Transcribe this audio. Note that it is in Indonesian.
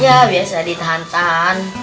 ya biasa ditahan tahan